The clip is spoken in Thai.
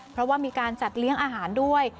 เพราะว่ามีการจัดเลี้ยงอาหารด้วย